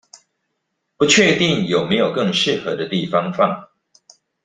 不確定有沒有更適合的地方放